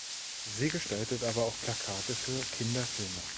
Sie gestaltet aber auch Plakate für Kinderfilme.